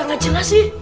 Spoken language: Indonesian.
nggak jelas sih